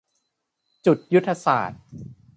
จุดยุทธศาสตร์